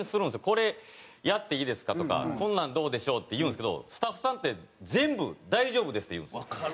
「これやっていいですか？」とか「こんなんどうでしょう？」って言うんですけどスタッフさんって全部「大丈夫です」って言うんですよ。